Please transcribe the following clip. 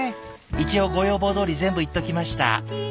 一応ご要望どおり全部言っときました！